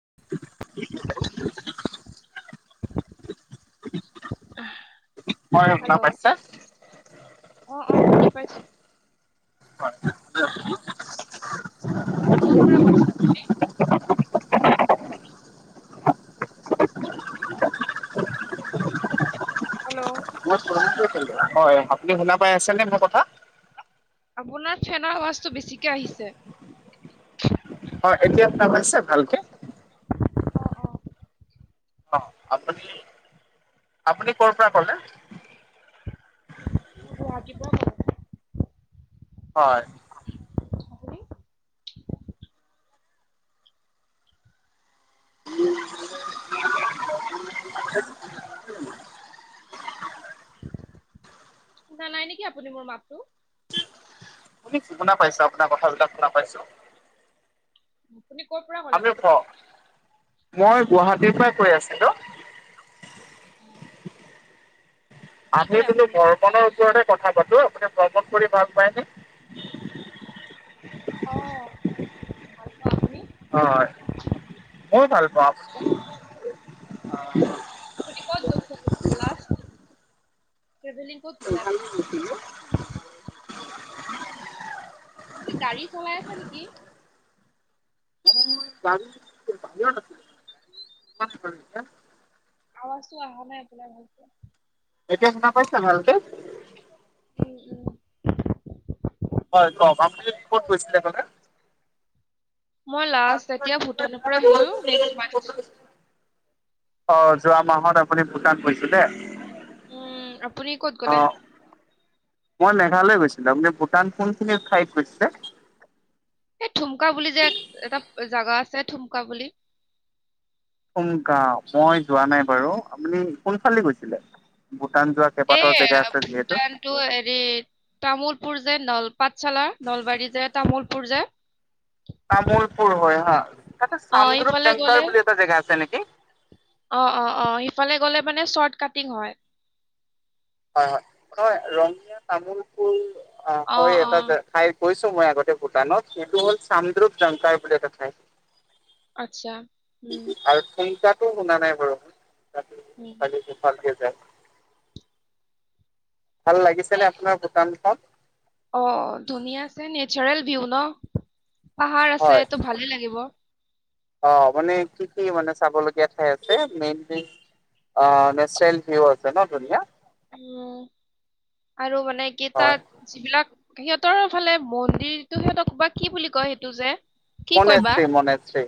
[unintelligible] আহ, অ শুনি [unintelligible] পাইছো [unintelligible] কত পৰা কৈছা। হেল্ল', হয় আপুনি শুনা পাই আছে নে মোৰ কথা? আপোনাৰ ফেনৰ আৱাজটো বেছিকে আহিছে। অ, এতিয়া শুনা পাইছে ভালকে। অ অ অ আপুনি আপুনি ক'ৰ পৰা ক'লে, কৰা? লাগিব মোক। হয়। আপুনি শুনা নাই নেকি আপুনি মোৰ মাতটো। শুনি শুনা পাইছা আপোনাৰ কথাবিলাক শুনা পাইছো। আপুনি ক'ৰ পৰা ক'লে আপুনি বাৰু ক মই গুৱাহাটীৰ পৰা কৈ আছিলো। [inaudible] কি আহি কৰে পিনি আপুনি বৰ্মনৰ ওপৰতে কথা পাতো ভ্ৰমণ কৰি ভাল পায়নে। অ ভাল পাওঁ আপুনি অ, মই ভাল পাও। [unintelligible] কি কয় কৈ থাকক লাষ্ট তেৱেভেলিং ওলাম। [inaudible] আপুনি গাড়ী চলাই আছে নেকি? [unintelligible] নমস্কাৰ অহা নাই আপোনালোক ভ এতিয়া শুনা পাইছা ভালকে? উম, উম। [unintelligible] হয় কওক আপুনি ক'ত গৈছিলে সেইফালে? মই লাষ্ট তেতিয়া ভূটানৰ পৰা আহিলো। নেক্স মানত অ, যোৱা মাহত আপুনি ভূটান গৈছিলে। উম। আপুনি ক'ত অ গ'লে? মই মেঘালয় গৈছিলো। আপুনি ভূটান কোনখিনিৰ ঠাইত গৈছিলে? এই থুমকা বুলি যে এটা জোগা আছে। থুমকা বুলি থুমলা, মই যোৱা নাই বাৰু আপুনি কোনফালেদি গৈছিলে? ভূটান যোৱা এই কেইবাটাও জেগা আছে যিহেতু ভূটানটো হেৰি তামোলপুৰ যে নল পাঠশালা নলবাৰী যে তামোলপুৰ যে তামুলপুৰ হয় হা। তাতে অ চামদ্ৰূপ ইফালে গ'লে জেংকাৰ বুলি এটা জেগা আছে নেকি? অ, অ, অ সিফালে গলে মানে চৰ্ট কাটিং হয়। হয়, হয়। নহয় ৰঙীয়া তামোলপুৰ অ হৈ এটা ঠাই গৈছো মই আগতে ভূটানত সেইটো হ'ল চান্দ্ৰূপ জংকাই বুলি এটা ঠাই। আচ্ছা। উম আৰু সংখ্যা শুনা নাই বাৰু উম [unintelligible] [inaudible] ভাল এ লাগিছেনে আপোনাৰ ভূটানখন? অ ধুনীয়া আছে নেচাৰেল ভিউ ন' পাহাৰ আছে হয় টো ভালেই লাগিব। অ' মানে কি কি মানে চাবলগীয়া ঠাই আছে মেইনলি। অ' নেচাৰেল ভিউ আছে ন' ধুনীয়া। উম আৰু মানে কি হয় তাত যিবিলাক। সিহঁতৰ ফালে মন্দিৰটো সিহঁতক বা বুলি কয় সেইটো যে। কি কয় বা মনেষ্ট্ৰি -মনেষ্ট্ৰি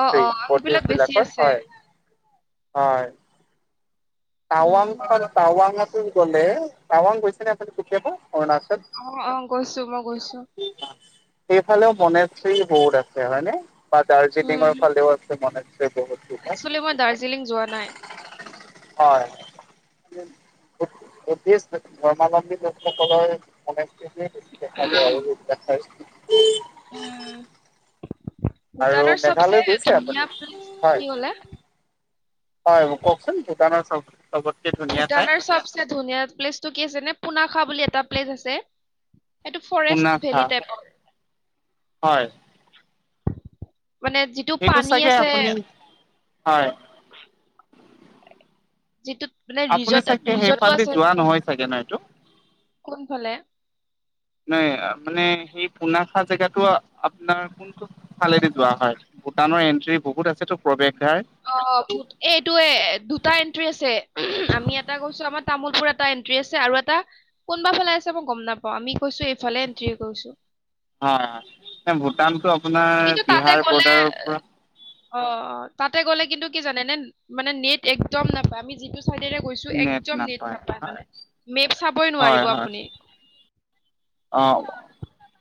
অ অ সেইবিলাক বৌদ্ধিষ্ট বেছি বিলাকৰ আছে হয়। হয়। উম টাৱাংখন টাৱাঙতো গ'লে টাৱাং গৈছে নে আপুনি কেতিয়াবা? অৰুণাচল অ' অ' গৈছো মই গৈছোঁ। সেইফালেও মনেষ্ট্ৰি বহুত আছে হয়নে বা দাৰ্জিলিংৰ ফালেও আছে মানে। একচুৱালী মই দাৰ্জিলিং যোৱা নাই হয় বৌদ্ধিষ্ট ধৰ্মাৱলম্বী লোকসকলৰ মানে। [inaudible] দেখা যায় আৰু দেখা উম, আৰু ভূটানৰ চবচে মেঘালয় গৈছে ধুনীয়া আপুনি? প্লেচ টো হয়, কি ক'লে। হয় কোৱকচোন ভূটানৰ চাওক। ভূটানৰ চবচে ধুনীয়া প্লেচটো কি আছেনে পুনাখা বুলি এটা প্লেচ আছে। এইটো ফৰেষ্ট মুনাফা ভেলি টাইপৰ। হয়। মানে যিটো সেইটো পানী চাগে আছে আপুনি হয়। যিটোত মানে আপুনি ৰিজৰ্ট চাগে ৰিজৰ্টটো সেইফালেদি আছে যোৱা নহয় চাগে ন এইটো? কোনফালে? নাই মানে সেই পুনাখা জেগাটো আপোনাৰ কোনটো ফালে। যোৱা হয় ভূটানৰ এণ্ট্ৰি বহুত আছেটো প্ৰৱেশ অ এইটোয়ে দুটা এন্ট্ৰি আছে আমি এটা গৈছো আমাৰ তামোলপুৰত। এটা এণ্ট্ৰি আছে আৰু এটা কোনোবা ফালে আছে মই গম নাপাওঁ আমি কৈছো এইফালে এন্ট্ৰি কৈছো। হয় হয় ভূটানটো কিন্তু আপোনাৰ তাতে বিহাৰ গ'লে বৰ্ডাৰৰ পৰা অ অ তাতে গ'লে কিন্তু কি জানে এনে মানে নেট একদম নাপায় আমি যিটো। চাইডেৰে গৈছো একদম নেট নাপায় মানে মেপ চাবই নোৱাৰিব হয় হয় আপুনি অ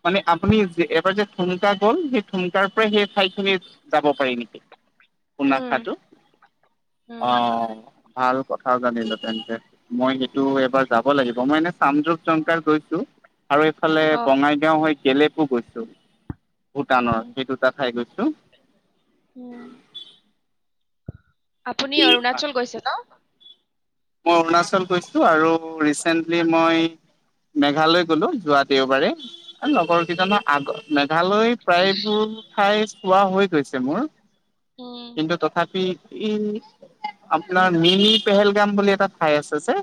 মানে আপুনি এবাৰ যে ঠুমকা গল সেই ঠুমকাৰ পৰাই সেই ঠাই খিনি যাব পাৰি নেকি? উম কোনাখাটো উম আহ? ভাল কথা জানিলো তেন্তে মই সেইটো এবাৰ যাব লাগিব মই এনে চামৰপ জংকাৰ গৈছো আৰু এইফালে অ বঙাইগাঁও হৈ গেলেপো গৈছো ভূটানৰ উম সেই দুটা ঠাই গৈছো উম আপুনি অৰুণাচল গৈছে ন মই অৰুণাচল গৈছো আৰু ৰিচেন্টলি মই মেঘালয় গ'লো যোৱা দেওবাৰে লগৰ কেইজনৰ আগত ঘৰলৈ প্ৰায়বোৰ ঠাই চোৱা হৈ গৈছে মোৰ উম কিন্তু তথাপি ই আপোনাৰ মিনি পেহেলগাম বুলি এটা ঠাই আছে যে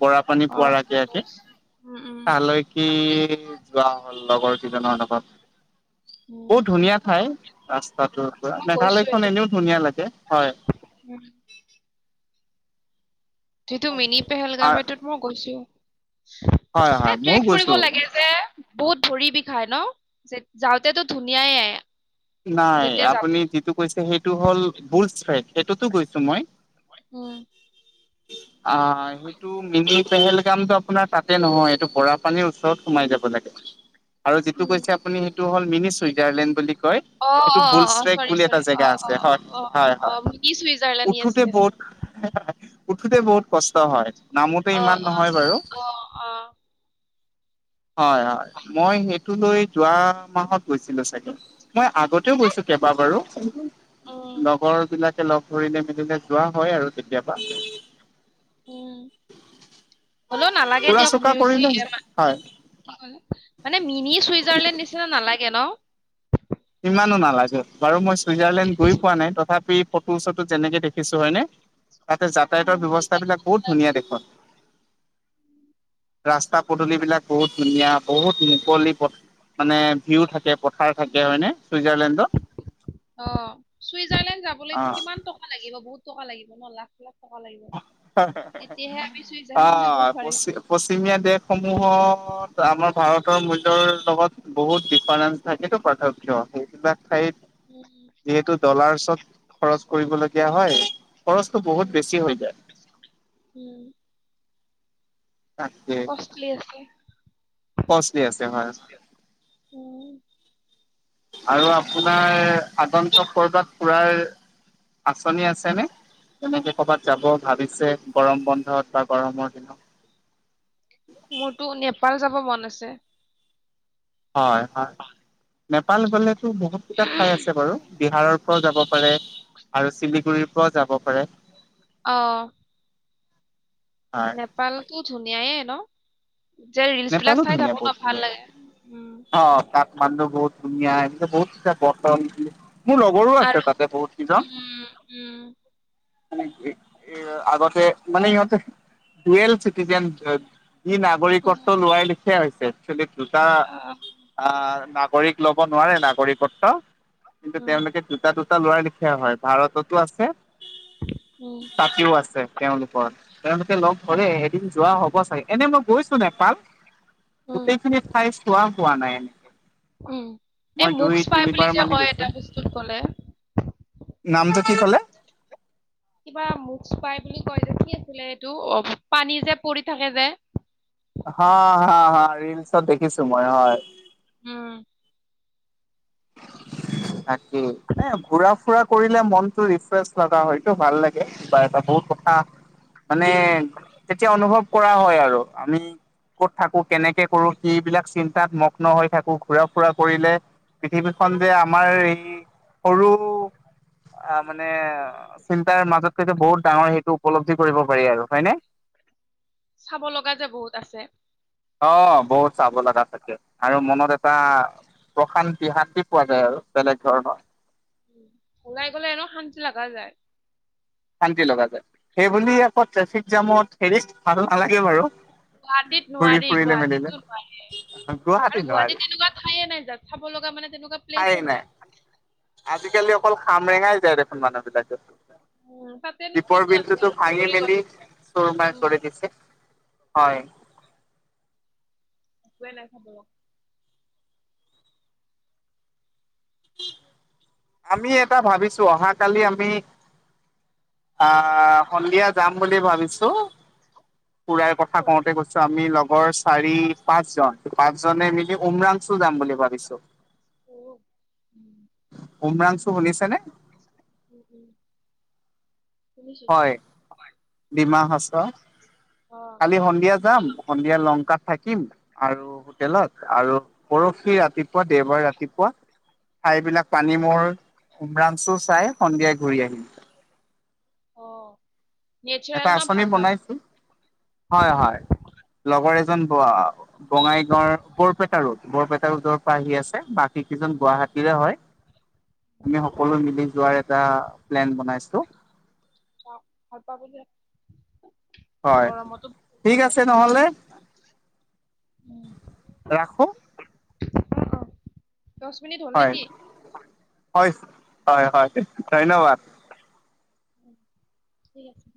বৰা পানী অ পোৱাৰ আগে আগে গৈছো। উম উম তালৈকে যোৱা হ'ল লগৰ কিজনৰ লগত। উম বহুত ধুনীয়া ঠাই ৰাস্তাটোৰ পৰা মই গৈছো মেঘালয়খন এইটো এনেও ধুনীয়া লাগে হয়। উম যিটো মিনি পেহেলগাম এটোত মই গৈছো। হয় এ হয় ময়ো ট্ৰেক কৰিব গৈছো। লাগে যে বহুত ভৰি বিষায় ন যাওঁতেতো ধুনীয়ায়ে। নাই আপুনি যিটো কৈছে সেইটো হ'ল বুলছ ট্ৰেক, সেইটোতো গৈছো মই। উম। অ সেইটো মিনি পেহেলগামটো আপোনাৰ তাতে নহয় এইটো বৰা পানীৰ ওচৰত সোমাই যাব লাগে। [inaudible] আৰু যিটো উম কৈছে আপুনি সেইটো হ'ল মিনি চুইজাৰলেণ্ড বুলি কয়। অ সেইটো অ অ বুলচ অ ট্ৰেক চৰি বুলি চৰি এটা অ জেগা অ আছে, অ হয় অ হয় কি চুইজাৰলেণ্ড য়েছ উঠোতে য়েছ বহুত উঠোতে বহুত কষ্ট হয় নামোতে অ ইমান অ নহয় বাৰু। অ অ হয় হয় মই সেইটো লৈ যোৱা মাহত গৈছিলো চাগে। মই আগতেও গৈছো কেইবাবাৰো। উম লগৰ বিলাকে লগ ধৰিলে মেলিলে যোৱা হয় আৰু কেতিয়াবা। উম, হলেও নালাগে ফুৰা দিয়ক চকা মিউজিক কৰিলে হয়। মানে মিনি চুইজাৰলেণ্ড নিচিনা নালাগে ন? ইমানো নালাগে বাৰু মই চুইজাৰলেণ্ড গৈ পোৱা নাই তথাপি ফটো চটো যেনেকে দেখিছো হয় নে? তাতে উম, যাতায়াতৰ তিনি চাৰি মান ব্যৱস্থাবিলাক বহুত নালাগে। ধুনীয়া দেখোন। ৰাস্তা পদূলিবিলাক বহুত ধুনীয়া। বহুত মুকলি পথ, মানে ভিউ থাকে পথাৰ থাকে হয়নে? চুইজাৰলেণ্ডত অ', চুইজাৰলেণ্ড অ যাবলৈতো কিমান টকা লাগিব বহুত টকা লাগিব ন' লাখ লাখ টকা লাগিব, তেতিয়াহে আমি অ, চুইজাৰলেণ্ড যাব ' পাৰিম পশ্চি-পশ্চিমীয়া দেশ সমূহত আমাৰ ভাৰতৰ মূল্যৰ লগত বহুত ডিফাৰেন্স থাকেতো পৰ্থক্য সেইবিলাক ঠাইত উম যিহেতু ডলাৰচত, খৰচ কৰিবলগীয়া হয়, খৰচটো বহুত উম বেছি হয় উম, তাকে কষ্টলি আছে। কষ্টলি আছে হয়। উম আৰু আপোনাৰ আগন্ত পৰদাত ফুৰাৰ আঁচনি আছে নে, তেনেকে ক'বাত যাব ভাবিছে গৰম বন্ধত বা গৰমৰ দিনত। মোৰতো নেপাল যাব মন আছে। হয়, হয়, নেপাল গ'লেতো বহুত কেইটা ঠাই আছে বাৰু। বিহাৰৰ পৰাও যাব পাৰে, আৰু চিলিগুৰিৰ পৰাও যাব পাৰে। অ', হয় নেপাল কি ধুনিয়ে ন? যে ৰিলছবিলাক নেপালো চাই ধুনীয়া থাকো বহুত ন' ভাল লাগে, উম, মানুহ বহুত ধুনিয়া এ বহত বৰ্তন। মোৰ লগৰো আছে আৰু তাতে বহুত কেইজন। উম উম এ-এ, আগতে মানে ইহঁতে ডুৱেল চিটিজেন ই উম নাগৰিকত ঠিকেই হৈছে এক্সুলি দুটা আহ, আ-নাম নাগৰিক লব নোৱাৰে নাগৰিকত্ব কিন্তু উম তেওঁলোকে দুটা দুটা দুটা লৰা লিখিয়া হয় ভাৰততো আছে উম তাতেও আছে তেওঁলোকৰ তেওঁলোকে লগ ধৰে, এদিন যোৱা হব। এনে মই গৈছো নেপাল। উম গোটেইখিনি ঠাই চোৱা হোৱা নাই এনেকে। উম, এই মই দুই মুখ্ছ পাই বুলি তিনিবাৰ যে মানে কয় গৈছো এটা বস্তুত কলে। নামটো কি কলে? কিবা মুখ। চোপাই বুলি কয় যে কি আছিলে এইটো অ-পানী যে পৰি থাকে যে? হা, হা, হা ৰিলচত দেখিছো মই হয়। উম। [inaudible] তাকেই এ, ঘুৰা ফুৰা কৰিলে মনটো ৰিফ্ৰেছ লগা হয়টো ভাল লাগে কিবা এটা বহুত কথা মানে তেতিয়া অনুভৱ কৰা হয় আৰু আমি কত থাকো কেনেকে কৰো কি বিলাক চিন্তাত মগ্ন হৈ থাকো ঘুৰা ফুৰা কৰিলে পৃথিৱীত খন যে আমাৰ এই সৰু আ, মানে চিন্তাৰ মাজতকৈটো বহুত ডাঙৰ সেইটো উপলব্ধি কৰিব পাৰি আৰু হয়নে? চাব লগা যে বহুত আছে। অ', বহুত চাব লগা থাকে আৰু মনত এটা প্ৰশান্তি শান্তি পোৱা যায় আৰু বেলেগ ধৰণৰ। ওলাই গ'লে এনেও শান্তি লাগা যায়। তি লগা যায় সেইবুলি আকৌ ট্ৰেফিক জামত হেৰিছ ভাল নালাগে বাৰু। গুৱাহাটীত ঘূৰি নোৱাৰী ফুৰিলে মেলিলে। গুৱাহাটীতো নোৱাৰে। গুৱাহাটী আৰু নোৱাৰি গুৱাহাটীত তেনেকুৱা ঠাইয়ে নাই যাত চাব লগা মানে তেনেকুৱা প্লেছে নাই। আজিকালি অকল খামৰেঙাই যায় দেখোন মানুহ বিলাকে। উম, তাতেনো দীপৰ কিটো আছে বিলটোতো আৰু ভাঙি বগৰী গছ মেলি আছে। চোৰ মাৰ উম, কৰি দিছে। হয়। [inaudible] একোৱে নাখাব। আমি এটা ভাবিছো অহাকালি আমি আহ সন্ধিয়া যাম বুলি ভাবিছো। খুৰাই কথা ক'ত? কওঁতে কৈছো আমি লগৰ চাৰি পাঁচজন পাঁচজনে মিলি উমৰাংচু যাম বুলি ভাবিছো [inaudible] উমৰাংচু শুনিছে নে? উম, উম, শুনিছো। হয়, ডমা হাচাও অ', কালি সন্ধিয়া যাম সন্ধিয়া লংকা থাকিম আৰু হোটেলত আৰু পৰশি ৰাতিপুৱা দেওবাৰ ৰাতিপুৱা ঠাইবিলাক পানী মোৰ উমৰাঞ্চু চাই সন্ধিয়াই ঘূৰি আহিম। অ', নেচাৰেল এটা ন আচনি ভাল পাব। বনাইছো হয়-হয় লগৰ এজন বঙাইগাঁওৰ বৰপেটা ৰদ বৰপেটা ৰোদৰ পৰা আহি আছে। বাকীকেইজন গুৱাহাটীৰে হয়। আমি সকলো মিলি যোৱাৰ এটা প্লেন বনাইছো। [inaudible] হয় গৰমতো ফুৰিব ঠিক যায়। আছে। নহলে, উম, ৰাখোঁ। দছ মিনিট হ'ল নে হয় কি? হয় হয়, হয় ধন্যবাদ। ঠিক আছে।